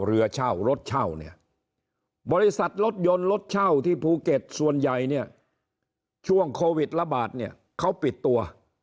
เรือเช่ารถเช่าเนี่ยบริษัทรถยนต์รถเช่าที่ภูเก็ตส่วนใหญ่เนี่ยช่วงโควิดระบาดเนี่ยเขาปิดตัว